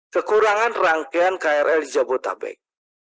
kekurangan rangkaian krl di jabodetabek